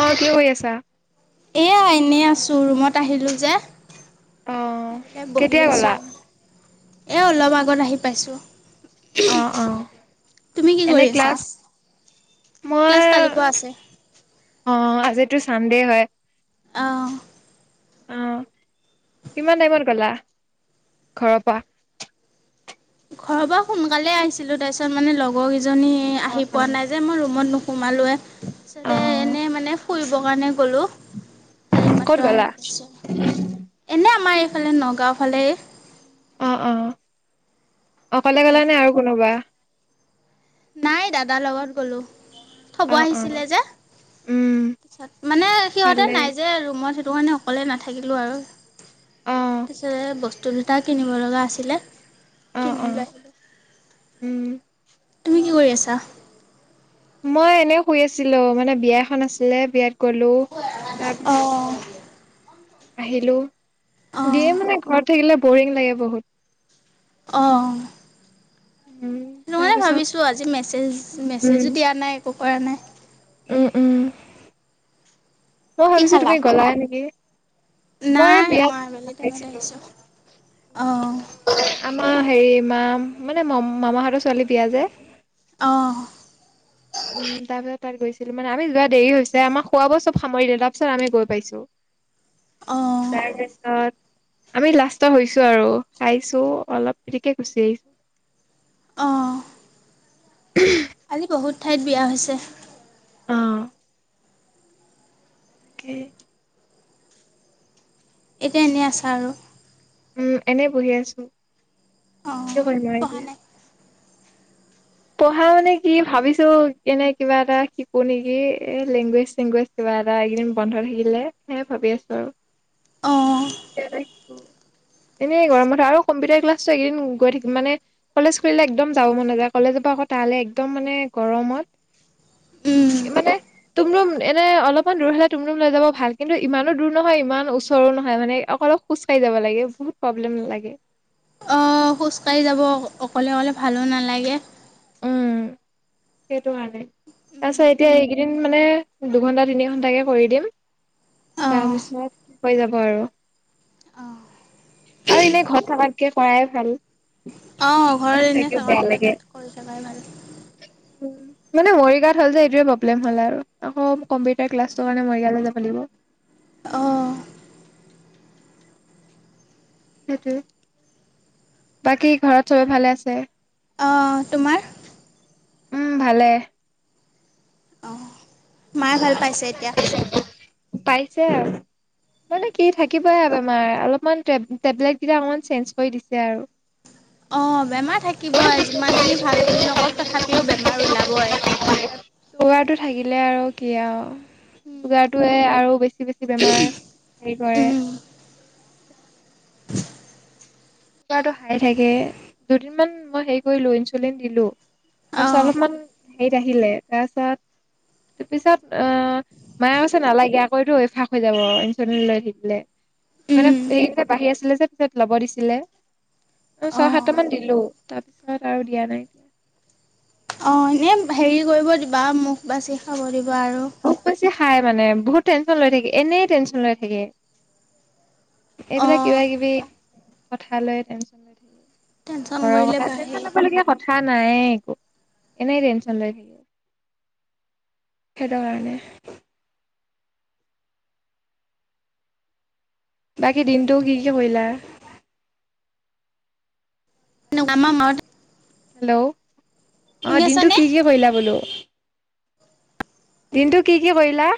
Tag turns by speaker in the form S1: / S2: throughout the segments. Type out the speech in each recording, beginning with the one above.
S1: অ কৰি আছা।
S2: এইয়া এনেই আছো ৰুমত আহিলোঁ
S1: অ
S2: যে বহি
S1: কেতিয়া গ'লা
S2: আছোঁ আনে। এই অলপ আগত আহি পাইছোঁ।
S1: অ অ
S2: তুমি কি
S1: এনে
S2: কৰি আছা
S1: ক্লাছ। মই
S2: ক্লাছ কালিৰ পৰা আছে।
S1: অ আজিতো চানডে হয়।
S2: অ।
S1: অ কিমান টাইমত গলা ঘৰৰ পা।
S2: ঘৰ পৰা সোনকালে আহিছিলোঁ তাৰ পিছত মানে লগৰ কেইজনী
S1: অ
S2: আহি
S1: অ
S2: পোৱা নাই যে মই ৰুমত ন। সোমালোৱে
S1: অ
S2: তাপিছতে এনেই মানে ফুৰিবৰ কাৰণে গ'লোঁ। তাৰে
S1: ক'ত গলা।
S2: এনেই আমাৰ এইফালে নগাঁও ফালে।
S1: অ অ অ অকলে গ'লানে নে
S2: ইয়াতে
S1: আৰু কোনোবা।
S2: নাই দাদাৰ লগত গ'লোঁ। থব
S1: অ অ
S2: আহিছিলে যে
S1: উম
S2: পিছত মানে সিহঁতে
S1: ভালেই
S2: নাই যে ৰুমত। সেইটো কাৰণে অকলে নাথাকিলোঁ আৰু।
S1: অ
S2: পিছে বস্তু দুটা কিনিব লগা আছিলে
S1: অ
S2: কিনি
S1: অ
S2: লে।
S1: উম
S2: তুমি কি কৰি আছা?
S1: মই এনে শুই আছিলো মানে বিয়া এখন আছিলে বিয়াত গ'লো তাৰ।
S2: অঁ
S1: আহিলো
S2: অঁ
S1: দিয়ে মানে ঘৰত থাকিলে বৰিং লাগে বহুত।
S2: অঁ।
S1: উম
S2: নহয়
S1: তাৰপিছত
S2: ভাবিছোঁ আজি মেছেজ
S1: উম
S2: মেছেজো দিয়া নাই একো কৰা নাই।
S1: উম উম মই
S2: কি
S1: ভাবিছোঁ
S2: খালা
S1: তুমি গলাই নেকি? মই এ
S2: নাই
S1: বিয়াত
S2: আবেলি টাইমত
S1: আহিছিলোঁ।
S2: আহিছোঁ অঁ
S1: আমাৰ হেৰি মা মানে মম মামাহঁতৰ ছোৱালী বিয়া যে।
S2: অঁ।
S1: উম তাৰ পিছত তাত গৈছিলোউ মানে আমি যোৱা দেৰি হৈছে আমাৰ খোৱা বোৱা চব সামৰিলে তাৰ পিছত আমি গৈ পাইছোঁ।
S2: অঁ
S1: তাৰপিছত। আমি লাষ্টৰ হৈছো আৰু খাইছো অলপ পিতিক কে গুচি আহিছো।
S2: অঁ।
S1: উম।
S2: আজি বহুত ঠাইত বিয়া হৈছে।
S1: অ কি?
S2: এতিয়া এনেই আছা আৰু।
S1: উম এনে বহি আছো।
S2: অঁ
S1: কি কৰিম আৰু
S2: পঢ়া
S1: এতিয়া।
S2: নাই
S1: পঢ়া মানে কি ভাবিছোঁ এনে কিবা এটা শিকো নেকি এ লেংগুৱেজ চেংগুৱেজ। কিবা এটা এইকেইদিন বন্ধ থাকিলে সে ভাবি আছোঁ
S2: অঁ
S1: আৰু শ। এনেই গৰমত আৰু কম্পিউটাৰ ক্লাছটো এইকেদিন গৈ থাকিম মানে কলেজ খুলিলে একদম যাব মন নাযায়। কলেজ পা আকৌ তিলে একদম মানে গৰমত
S2: উম
S1: এই মানে। টোমটোম এনে অলপমান দূৰ হ'লে টোমটোম লৈ যাব ভাল কিন্তু ইমানো দূৰ নহয় ইমান ওচৰো নহয় মানে অকলপ। খোজকাঢ়ি যাব লাগে বহুত প্ৰব্লেম লাগে।
S2: অ খোজ কাঢ়ি যাব অকলে অকলে ভালো নালাগে।
S1: উম সেইটো কাৰণে তাৰপিছত এতিয়া এইকেইদিন মানে দুঘণ্টা তিনি ঘণ্টাকে কৰি দিম। তাৰ
S2: অঁ
S1: পিছত হৈ যাব আৰু।
S2: অঁ
S1: আৰু এনে ঘৰত থকাতকে কৰাই ভাল।
S2: অঁ ঘৰৰ
S1: ঘৰত
S2: এনেই
S1: থাকিও বেয়া
S2: থকাতকৈ তাত কৰি থকাই ভাল।
S1: উম। মানে মৰিগাঁৱত হ'ল যে এইটোৱে প্ৰব্লেম হ'ল আৰু আকৌ কম্পিউটাৰ ক্লাছটোৰ কাৰণে মৰিগাওলৈ যাব লাগিব।
S2: অঁ
S1: সেইটো বাকী ঘৰত চবে ভালে আছে?
S2: অঁ তোমাৰ?
S1: উম ভালে।
S2: অঁ মায়ে ভাল পাইছে এতিয়া?
S1: পাইছে আৰু। মানে কি থাকিবইে আৰু বেমাৰ অলপমান টেবলেট অকমান চেঞ্জ কৰি দিছে আৰু। [unintelligible]
S2: অঁ বেমাৰ থাকিবই যিমানেই ভাল বুলি নকওঁক তথাপিও বেমাৰ ওলাবই।
S1: চুগাৰটো থাকিব। হ'লে আৰু কি আৰু চুগাৰটোয়ে আৰু বেছি বেছি বেমাৰ হেৰি কৰে। কিবা এটা হয় থাকে দুদিনমান মই হে কৰিলো ইনচুলিন দিলো তাৰপিছত
S2: অঁ
S1: অলপমান। হেৰিত আহিলে তাৰপিছত তাৰপিছত আহ। মায়ে কৈছে নালাগে আকৌ এইটো অভ্যাস হৈ যাব ইঞ্চ লৈ নিদিলে। মানে সকটা বাঢ়ি আছিলে যে পিছত ল'ব দিছিলে। অ ছয়
S2: অঁ
S1: সাতটা মান দিলোঁ তাৰ পিছত আৰু দিয়া নাই।
S2: অঁ এনেই হেৰি কৰিব দিবা মুখ বাচি খাব দিবা আৰু
S1: মুখ বেছি খাই মানে বহুত টেনশ্যন লৈ থাকে এনেই টেনশ্যন লৈ থাকে। এইবিলাক
S2: অঁ
S1: কিবা কিবি কথা লৈ টেনশচন লৈ থাকে।
S2: টেনচন
S1: ঘৰৰ
S2: কৰিলে
S1: কথা,
S2: বাঢ়ে
S1: টেনশচন ল'ব লগীয়া কথা। উঠা নাই একো এনেই টেনচন লৈ থাকে সেইটো কাৰণে মানে? বাকী দিনটো কি কি কৰিলা?
S2: আমাৰ মাতে
S1: হেল্ল', অঁ
S2: শুনি
S1: দিনটো
S2: আছানে
S1: কি কি কৰিলা বোলোঁ? দিনটো কি কি কৰিলা?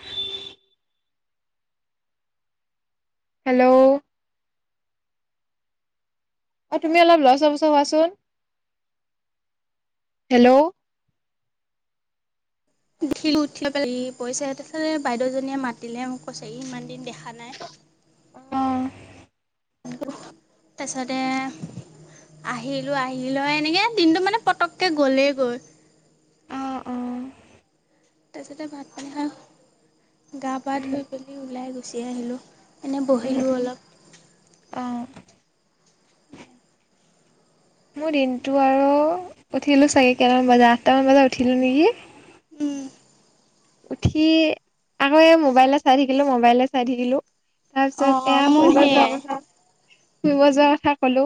S1: হেল্ল', অ তুমি অলপ লছ পচ হোৱাচোন হেল্ল',
S2: উঠিলোঁ উঠি পেলাই পিছে তোলে বাইদেউজনীয়ে মাতিলে মোক কৈছে ই ইমান দিন দেখা নাই।
S1: অঁ,
S2: তাৰপিছতে আহিলোঁ আহিলৈ এনেকে দিনটো মানে পটককৈ গ'লেই গৈ।
S1: অ অ উম
S2: তাৰপিছতে ভাত পানী খাই গা পা ধুই পেলি ওলাই গুচিয়ে আহিলোঁ এনে বহিলোঁ অলপ।
S1: অঁ। মোৰ দিনটো আৰু উঠিলোঁ চাগি কেইটামান বজাত আঠটামান বজাত উঠিলোঁ নেকি?
S2: উম।
S1: উঠি আকৌ এই মোবাইলে চাই থাকিলো মোবাইলে চাই থাকিলোঁ। তাৰপিছত
S2: অঁ
S1: এয়া
S2: মোৰ
S1: ফুৰিব যোৱাৰ
S2: সেয়াই
S1: কথা। ফুৰিব যোৱাৰ কথা কলো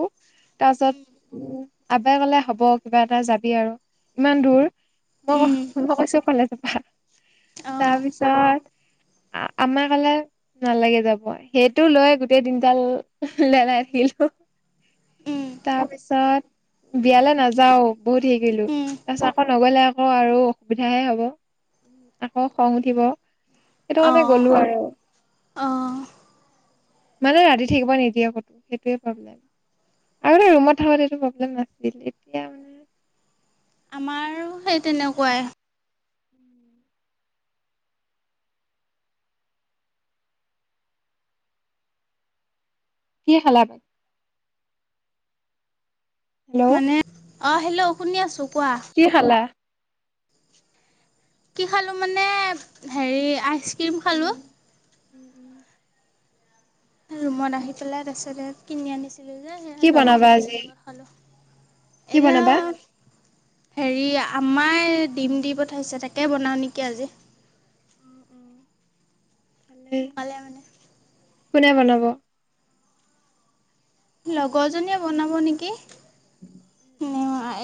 S1: তাৰ পাছত উ আব্বাই কলে হ'ব কিবা এটা যাবি আৰু ইমান দূৰ ক মই কৈছো কলেজপৰা
S2: অঁ
S1: তাৰপিছত আম্মাই কলে নালাগে যাব সেইটো লৈ গোটেই দিনদাল লেলাই থাকিলোঁ। তাৰ পিছত বিয়ালৈ নাযাওঁ। বহুত সেই কৰিলোঁ তাৰপিছত আকৌ নগলে আকৌ আৰু অসুবিধাহে হ'ব। উ আকৌ খং উঠিব সেইটো কাৰণে
S2: অঁ
S1: গলো আৰু
S2: অঁ
S1: মানে ৰাতি থাকিব নিদিয়ে ক'তো সেইটোৱে প্ৰব্লেম। আগতে ৰুমত থাকোতে এইটো প্ৰব্লেম নাছিল এতিয়া মানে
S2: আমাৰো সেই তেনেকুৱাই।
S1: কি খালা পাই? হেল্ল'
S2: মানে অ হেল্ল' শুনি আছো কোৱা।
S1: কি খালা?
S2: কি খালোঁ মানে হেৰি আইচক্ৰীম খালোঁ।
S1: উম।
S2: ৰুমত আহি পেলাই তাৰপিছত ইয়াত কিনি আনিছো। ছিলো যে
S1: কি
S2: সেই লগৰ
S1: বনাবা
S2: কেইজনীৰ
S1: আজি
S2: লগত খালোঁ
S1: কি
S2: এতিয়া।
S1: বনাবা
S2: হেৰি আম্মাই ডিম দি পঠাইছে তাকে বনাও নেকি আজি
S1: হু
S2: পালে মানে
S1: কোনে বনাব?
S2: লগৰজনীয়ে বনাব নেকি
S1: [unintelligible]
S2: উ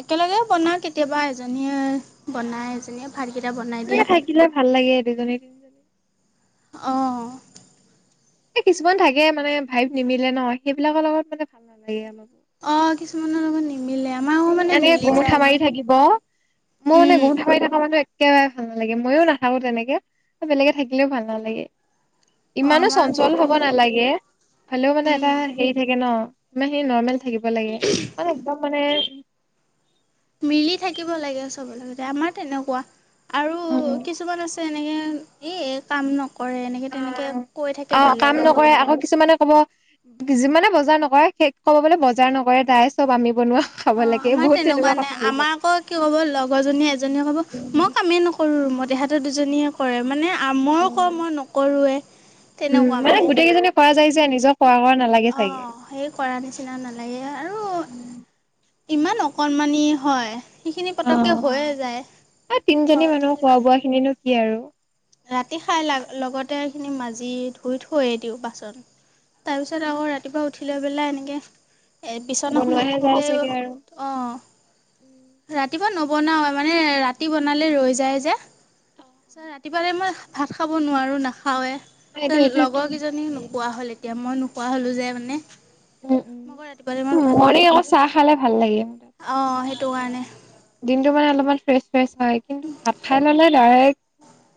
S2: একেলগে বনাও কেতিয়াবা এজনীয়ে বনায় এজনীয়ে ভাতকেইটা বনাই দিয়ে।
S1: এনেকে থাকিলে ভাল লাগে দুজনী তিনিজনী
S2: অ
S1: এ কিছুমান থাকে মানে ভাইভ নিমিলে ন সেইবিলাকৰ লগত মানে ভাল নালাগে অলপ
S2: অ কিছুমানৰ লগত নিমিলে আমাৰ আকৌ
S1: উম
S2: মানে
S1: এনেকে
S2: মিলি
S1: গুমুঠা
S2: যায়গৈ
S1: মাৰি থাকিব মোৰ মানে
S2: উম
S1: গুমুঠা মাৰি থকা মানুহ এ কেবাৰে ভাল নালাগে ময়ো নাথাকো তেনেকে বেলেগে থাকিলেও ভাল নালাগে
S2: অঁ
S1: ইমানো
S2: আমাৰ
S1: চঞ্চল হব
S2: সেইটোৱে
S1: নালাগে হলেও মানে
S2: উম
S1: এটা হেৰি থাকে ন ইমান সেই নৰ্মেল থাকিব লাগে কিছুমান একদম মানে
S2: মিলি থাকিব লাগে চবৰ লগতে আমাৰ তেনেকোৱা আৰু
S1: উম
S2: কিছুমান আছে এনেকে এই কাম নকৰে এনেকে তেনেকে কৈ থাকে
S1: অ কাম
S2: বেলেগৰ
S1: নকৰে
S2: আগত।
S1: আকৌ কিছুমানে ক'ব যিমানে বজাৰ নকৰে সেই ক'ব বোলে বজাৰ নকৰে তাই চব আমি বনোৱা খাব
S2: অ
S1: লাগে
S2: আমাৰ
S1: বহুত
S2: তেনেকোৱা
S1: তেনেকুৱা কথা
S2: নাই
S1: আহি পৰে
S2: আমাৰ আকৌ কি কব লগৰজনী এজনীয়ে কব মই কামেই ন কৰো মই তেহেঁতৰ দুজনীয়ে কৰে মানে মই কও
S1: উম
S2: মই নকৰোৱেই তেনেকোৱা মানে
S1: পোৱা যায় যে নিজক খোৱা বোৱা নালা
S2: অ সেই কৰা নিচিনা নালাগে আৰু ইমান অকণমানি হয়। সেইখিনি
S1: অ
S2: পতককে হৈয়ে যায়
S1: এ তিনজনী
S2: ঘৰত
S1: মানুহ খোৱা
S2: থাকিলে
S1: বোৱা খিনিনো কি আৰু
S2: ৰাতি খাই লাভ লগতে এইখিনি মাজি ধুই থৈয়ে দিও বাচন। তাৰপিছত আকৌ ৰাতিপুৱা উঠি লৈ পেলাই এনেকে এ বিচনাখন
S1: বনোৱাহে যায়
S2: উঠোতেও
S1: চাগে [inaudible]
S2: ৰাতিপুৱা নবনাওয়ে মানে ৰাতি বনালে ৰৈ যায় যে। এইফালে মই ভাত খাব নোৱাৰো নাখাৱে
S1: এইটো
S2: যে
S1: এইটো একদম
S2: লগৰ কেইজনীও নোখোৱা হ'ল এ তিয়া মই নোখোৱা হলো যে মানে।
S1: উম
S2: মই আকৌ ৰাতিপুৱালে
S1: উম মুড়ী লগত চাহ খালে ভাল লাগে
S2: অ সেইটো কাৰণে।
S1: দিনতো মানে অলপমান ফ্ৰেছ ফ্ৰেছ হয় কিন্তু ভাত খাই ল'লে ডাইৰেক্ট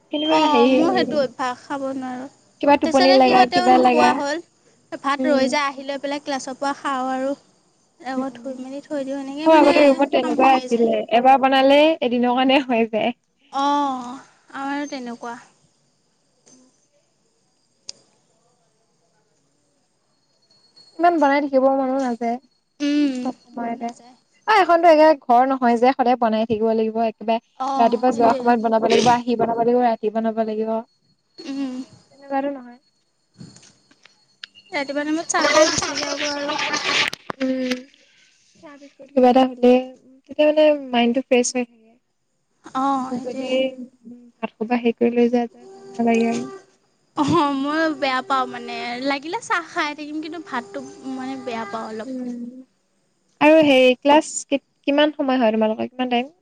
S1: কেনিবা
S2: অ
S1: হেৰি
S2: মোৰ সেইটো অভ্যাস খাব নোৱাৰো
S1: কিবা টোপনি
S2: তাৰপিছতে
S1: লগা
S2: সিহঁতেও
S1: কিবা লগা
S2: নোখোৱা হ'ল। ভাত
S1: উম
S2: ৰৈ যায় আহি লৈ পেলাই ক্লাছৰ পৰা খাও আৰু
S1: উম
S2: আকৌ
S1: উম।
S2: ধুই মেলি থৈ দিও এনেকে
S1: মোৰ
S2: মানে
S1: আগতে ৰুমত
S2: কাম
S1: তেনেকুৱাই
S2: হৈয়ে যায়।
S1: আছিলে এবাৰ বনালে এদিনৰ কাৰণে হৈয়ে যায়।
S2: অ আমাৰো তেনেকোৱা
S1: ইমান বনাই থাকিব মনো নাযায়
S2: উম
S1: চব
S2: মন
S1: সময়তে
S2: নাযায়
S1: আহ এখনতো এ ঘৰ নহয় যে সদায় বনাই থাকিব লাগিব একেবাৰে
S2: অঁ
S1: ৰাতিপুৱা যোৱা
S2: সেইটোৱে
S1: সময়ত বনাব লাগিব আহি বনাব লাগিব ৰাতি বনাব লাগিব
S2: উম,
S1: তেনেকুৱাটো নহয়।
S2: ৰাতিপুৱা টাইমত চাহ খাই গুচি যাওগৈ আৰু।
S1: উম' ইয়া বিষয়ত কিবা এটা সুধিলে তেতিয়া মানে মাইন্ডটো মানে ফ্ৰেষ্ট হয় থাকে।
S2: অ', সেইটোৱে।
S1: যদি উম ভাত খোৱা পা হেই কৰি লৈ যায় যে ভাল নালাগে আৰু।
S2: অঁহ মই বেয়া পাওঁ মানে লাগিলে চাহ খাই থাকিম কিন্তু ভাতটো মানে- বেয়া পাওঁ অলপ।
S1: উম' আৰু হেৰি ক্লাছ কিমান সময় হয় তোমালোকৰ কিমান টাইম?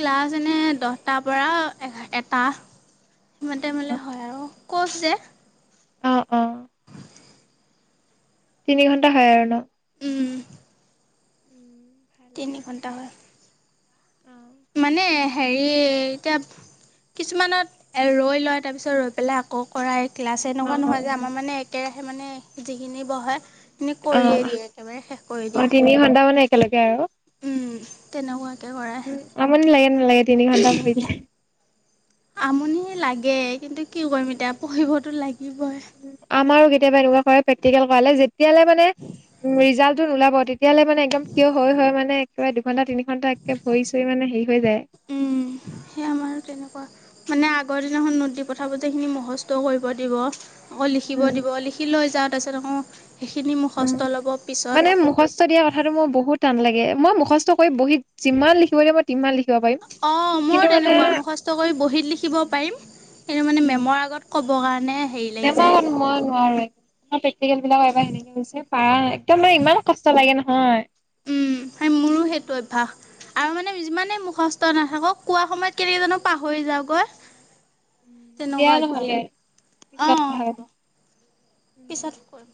S2: ক্লাছ এনে দহটাৰ পৰা এ এটা সিমান টাইমলৈ হয় আৰু। কৌচ যে।
S1: অঁ অঁ' তিনি ঘণ্টা হয় আৰু ন।
S2: উম' তিনি ঘণ্টা হয়।
S1: অঁ'
S2: মানে হেৰি এতিয়া কিছুমানত ৰৈ লয় তাৰপিছত ৰৈ পেলাই- আকৌ কৰাই ক্লাছ এনেকুৱা নহয় যে
S1: অ
S2: আমাৰ মানে একেৰাহে মানে যিখিনি বহে- নি
S1: অ
S2: কৰিয়ে দিয়ে একেবাৰে শেষ কৰি
S1: অ
S2: দিয়ে।
S1: তিনি ঘণ্টা মানে একেলগে আৰু।
S2: উম' তেনেকুৱাকে কৰে।
S1: উম, আমনি লাগে নে নালাগে তিনি ঘণ্টা পঢ়ি কেনে?
S2: আমনি লাগে কিন্তু, কি কৰিম এতিয়া পঢ়িবতো লাগিবই।
S1: আমাৰো কেতিয়াবা এনেকুৱা কৰে প্ৰেকটিকেল কৰালে যেতিয়ালে মানে ৰিজালট- টোত ওলাব তেতিয়ালে মানে একদম থিয় হৈ হৈ মানে একেবাৰে দুঘণ্টা তিনি ঘণ্টা একে ভৰি চৰি মানে হেৰি হৈ যায়।
S2: উম' সেই আমাৰো তেনেকুৱা। মানে আগৰ দিনাখন নোট দি পঠা গোটেইখিনি মুখস্থ কৰিব দিব। আকৌ লিখিব
S1: উম,
S2: দিব লিখি লৈ যা তাপিছত আকৌ সেইখিনি মুখস্ত ল'ব পিছত।
S1: খস্হ দিয়া কথাটো মোৰ বহুত টান লাগে। মই মুখস্থ কৰি বহীত যিমান লিখিব দিয়ে মই তিমান লিখিব পাৰিম-
S2: অঁ' ময়ো
S1: কিন্তু মানে
S2: তেনেকুৱা মুখস্হ কৰি বহীত লিখিব পাৰিম কিন্তু মানে মেমৰ আগত- ক'বৰ কাৰণে হেৰি- লাগি
S1: মেমৰ
S2: যায়
S1: আগত মই নোৱাৰোৱে। আমাৰ প্ৰেকটিকেল বিলাক এইবাৰ এনেকে দিছে পাৰা নাই একদম মানে ইমান কষ্ট লাগে নহয়।
S2: উম, সেই
S1: [inaudible]
S2: মোৰো সেইটো অভ্যাস। আৰু মানে যিমানে মুখস্থ নাথাকক কোৱা সময়ত কেনেকে জানো পাহৰি যাওঁগৈ?
S1: দিয়া
S2: তেনেকুৱা
S1: নহ'লে
S2: অভ্যাস
S1: পিছত কথা
S2: অঁ
S1: পাতিম
S2: হ'ব,
S1: উম, দিয়া।
S2: পিছত- কৰিম